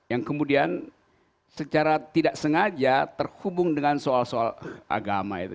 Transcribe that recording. yang kemudian secara tidak sengaja terhubung dengan soal soal agama itu